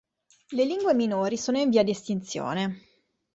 Le lingue minori sono in via di estinzione.